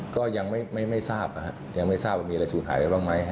ก็ยังไม่ทราบนะครับยังไม่ทราบว่ามีอะไรสูญหายไปบ้างไหม